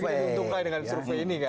ada yang beruntung dengan survei ini kan